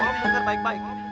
tolong denger baik baik